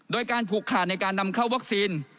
โดยการผูกขาดในการนำเข้าวัคซีน